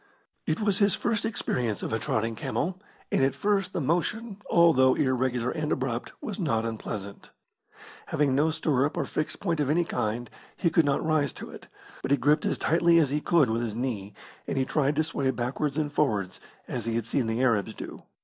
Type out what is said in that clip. It was his first experience of a trotting camel, and at first the motion, although irregular and abrupt, was not unpleasant. Having no stirrup or fixed point of any kind, he could not rise to it, but he gripped as tightly as be could with his knee, and he tried to sway backwards and forwards as he had seen the Arabs do.